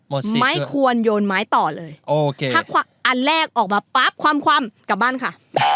ไม่ควรโยนไม้ต่อเลยอันแรกออกมาปั๊บความกลับบ้านค่ะ